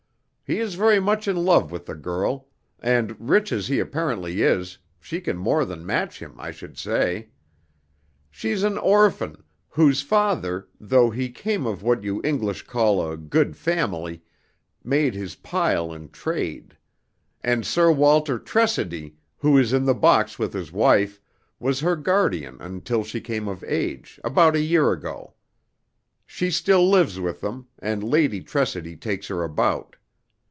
He is very much in love with the girl, and rich as he apparently is, she can more than match him, I should say. She's an orphan, whose father, though he came of what you English call a 'good family,' made his pile in trade; and Sir Walter Tressidy, who is in the box with his wife, was her guardian until she came of age, about a year ago. She still lives with them, and Lady Tressidy takes her about.